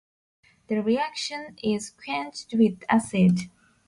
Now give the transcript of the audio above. The reaction is quenched with acid.